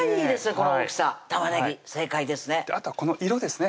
この大きさ玉ねぎ正解ですね